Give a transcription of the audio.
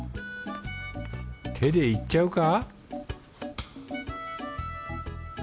手でいっちゃうか？